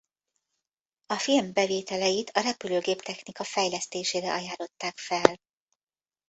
A film bevételeit a repülőgép-technika fejlesztésére ajánlották fel.